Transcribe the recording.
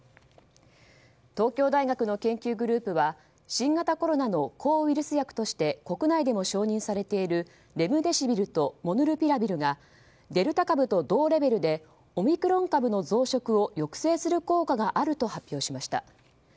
東京大学の研究グループは新型コロナの抗ウイルス薬として国内でも承認されているレムデシビルとモルヌピラビルがデルタ株と同レベルでオミクロン株の増殖を抑制する効果があると発表しました。